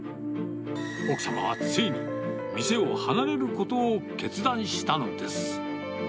奥様はついに、店を離れることを決断したのです。